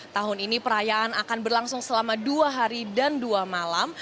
tahun ini perayaan akan berlangsung selama dua hari dan dua malam